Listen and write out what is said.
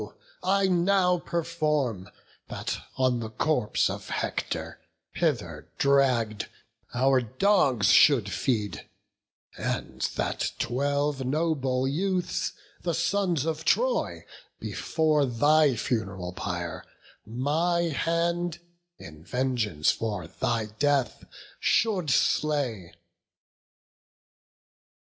I now perform; That on the corpse of Hector, hither dragg'd, Our dogs should feed; and that twelve noble youths, The sons of Troy, before thy fun'ral pyre, My hand, in vengeance for thy death, should slay."